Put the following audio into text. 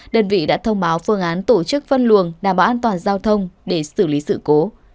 đơn vị đã thông báo phương án tổ chức phân luồng đảm bảo an toàn giao thông để xử lý sự cố